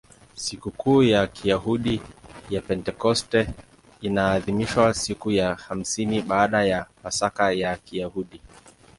Sikukuu ya Kiyahudi ya Pentekoste inaadhimishwa siku ya hamsini baada ya Pasaka ya Kiyahudi.